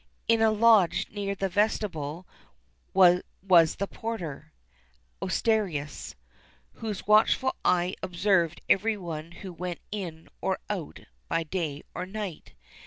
[XXXIII 9] In a lodge near the vestibule was the porter (ostiarius),[XXXIII 10] whose watchful eye observed every one who went in or out by day or night.